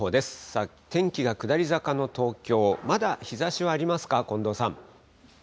さあ、天気が下り坂の東京、まだ日ざしはありますか、近藤さん。